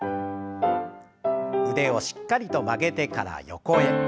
腕をしっかりと曲げてから横へ。